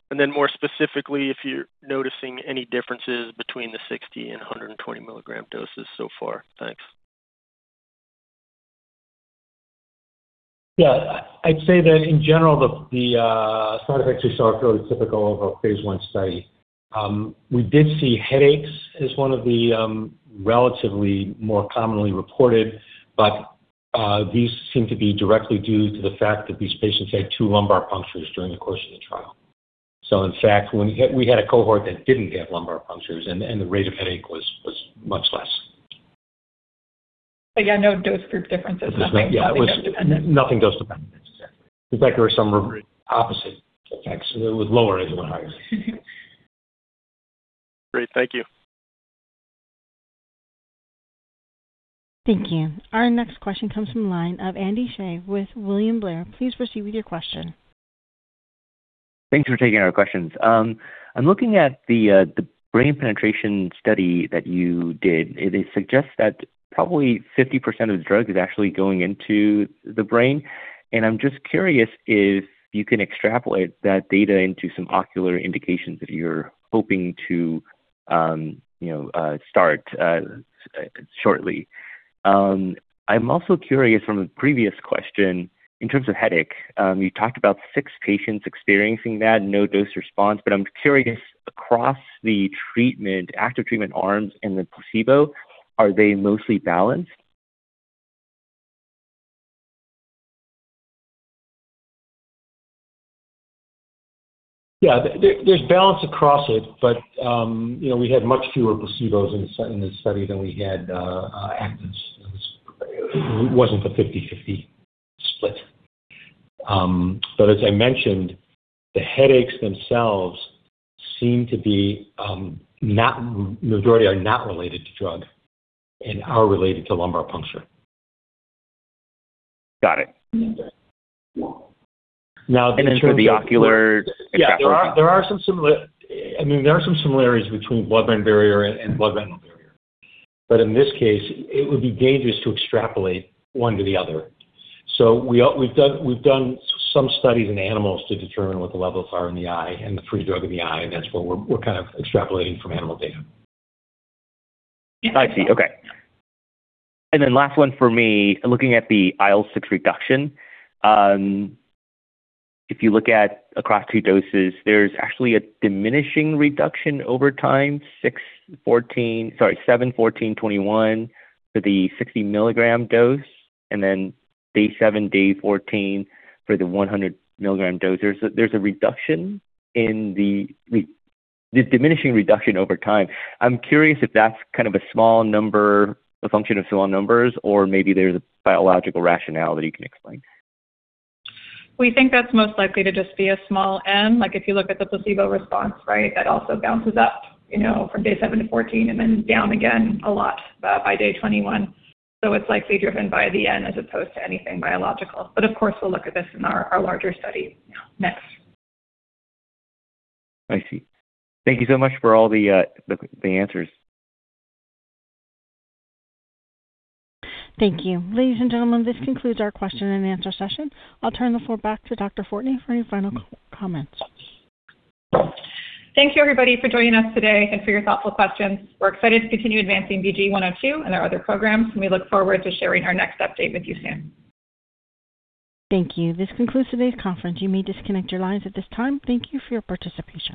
and then more specifically, if you're noticing any differences between the 60 and 120 mg doses so far. Thanks. Yeah. I'd say that in general, the side effects are fairly typical of a phase I study. We did see headaches as one of the relatively more commonly reported, but these seem to be directly due to the fact that these patients had two lumbar punctures during the course of the trial. In fact, we had a cohort that didn't have lumbar punctures, and the rate of headache was much less. Yeah, no dose group differences. Nothing dose dependent. Nothing dose dependent. In fact, there were some opposite effects. It was lower, it wasn't higher. Great. Thank you. Thank you. Our next question comes from the line of Andy Hsieh with William Blair. Please proceed with your question. Thanks for taking our questions. I'm looking at the brain penetration study that you did. It suggests that probably 50% of the drug is actually going into the brain, and I'm just curious if you can extrapolate that data into some ocular indications if you're hoping to start shortly. I'm also curious, from a previous question, in terms of headache, you talked about 6 patients experiencing that, no dose response, but I'm curious across the active treatment arms and the placebo, are they mostly balanced? Yeah. There's balance across it, but we had much fewer placebos in the study than we had actives. It wasn't a 50/50 split. As I mentioned, the headaches themselves seem to be, the majority are not related to drug and are related to lumbar puncture. Got it. Now- In terms of the ocular extrapol- Yeah. There are some similarities between blood-brain barrier and blood-retinal barrier. In this case, it would be dangerous to extrapolate one to the other. We've done some studies in animals to determine what the levels are in the eye and the free drug in the eye, and that's where we're kind of extrapolating from animal data. I see. Okay. Last one for me, looking at the IL-6 reduction. If you look at across two doses, there's actually a diminishing reduction over time, 7, 14, 21 for the 60 mg dose and then day seven, day 14 for the 100 mg dose. There's a diminishing reduction over time. I'm curious if that's kind of a small number, a function of small numbers, or maybe there's a biological rationale that you can explain. We think that's most likely to just be a small N. If you look at the placebo response, that also bounces up from day seven to 14 and then down again a lot by day 21. It's likely driven by the N as opposed to anything biological. Of course, we'll look at this in our larger study next. I see. Thank you so much for all the answers. Thank you. Ladies and gentlemen, this concludes our question and answer session. I'll turn the floor back to Dr. Fortney for any final comments. Thank you, everybody, for joining us today and for your thoughtful questions. We're excited to continue advancing BGE-102 and our other programs, and we look forward to sharing our next update with you soon. Thank you. This concludes today's conference. You may disconnect your lines at this time. Thank you for your participation.